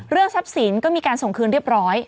ทรัพย์สินก็มีการส่งคืนเรียบร้อย